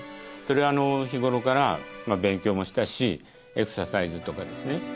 それは日ごろから勉強もしたしエクササイズとかですね